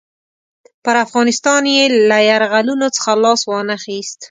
پر افغانستان یې له یرغلونو څخه لاس وانه خیست.